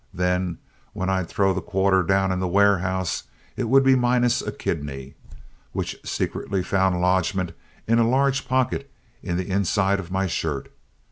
Then when I'd throw the quarter down in the warehouse, it would be minus a kidney, which secretly found lodgment in a large pocket in the inside of my shirt.